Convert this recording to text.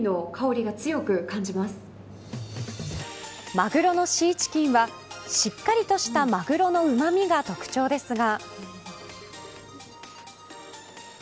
マグロのシーチキンはしっかりとしたマグロのうまみが特徴ですが。